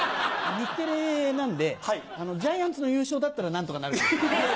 日テレなんでジャイアンツの優勝だったら何とかなる。